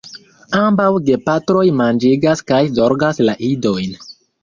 Ambaŭ gepatroj manĝigas kaj zorgas la idojn.